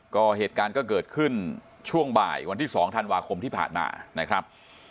ก็เหตุการณ์ก็เกิดขึ้นช่วงบ่ายวันที่๒ธันวาคมที่ผ่านมานะครับ